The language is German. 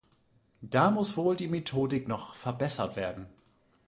Da muss wohl die Methodik noch verbessert werden.